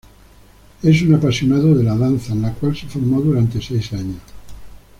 Es un apasionado de la danza, en la cual se formó durante seis años.